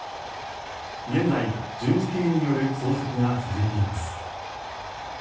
現在、巡視艇による捜索が続いています。